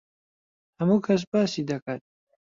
هەموو کەس باسی دەکات.